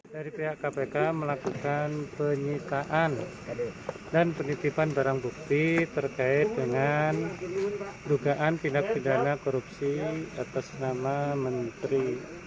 dari pihak kpk melakukan penyitaan dan penitipan barang bukti terkait dengan dugaan tindak pidana korupsi atas nama menteri